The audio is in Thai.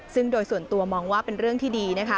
ซึ่งโดยส่วนตัวมองว่าเป็นเรื่องที่ดีนะคะ